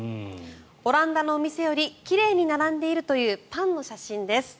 オランダのお店より奇麗に並んでいるというパンの写真です。